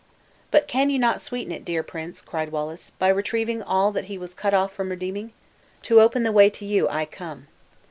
"But can you not sweeten it, my dear prince," cried Wallace, "by retrieving all that he was cut off from redeeming? To open the way to you I come."